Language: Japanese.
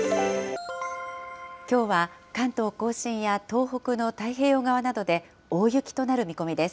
きょうは関東甲信や東北の太平洋側などで、大雪となる見込みです。